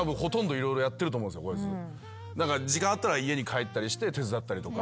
時間あったら家に帰ったりして手伝ったりとか。